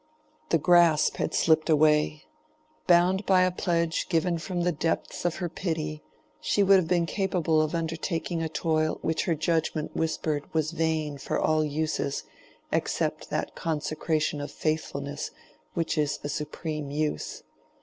The grasp had slipped away. Bound by a pledge given from the depths of her pity, she would have been capable of undertaking a toil which her judgment whispered was vain for all uses except that consecration of faithfulness which is a supreme use.